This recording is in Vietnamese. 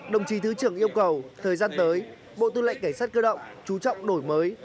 đồng chí thứ trưởng yêu cầu thời gian tới bộ tư lệnh cảnh sát cơ động chú trọng đổi mới